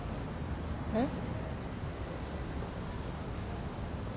えっ？